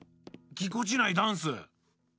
ぎこちないダンス！